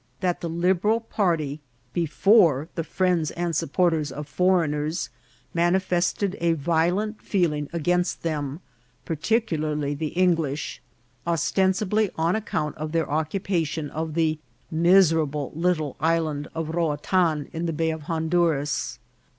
that the Liberal party, before the friends and support ers of foreigners, manifested a violent feeling against them, particularly the English, ostensibly on account of their occupation of the miserable little Island of Ro atan, in the Bay of Honduras.